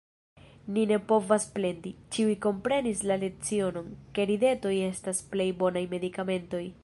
Ni ne povas plendi, ĉiuj komprenis la lecionon, ke ridetoj estas plej bonaj medikamentoj.